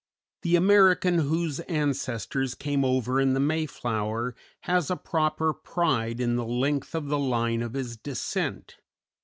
_" The American whose ancestors came over in the "Mayflower" has a proper pride in the length of the line of his descent.